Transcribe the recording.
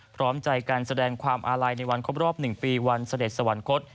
พร้อมใจการแสดงความอาลัยในวันครบรอบ๑ปีวันเสด็จสวรรคต